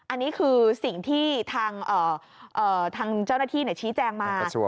อันนี้คือสิ่งที่ทางเจ้าหน้าที่ชี้แจงมา